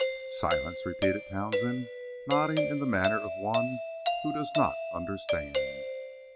"Silence," repeated Townsend, nodding in the manner of one who does not understand.